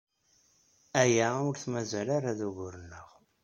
Aya ur t-mazal ara d ugur-nneɣ.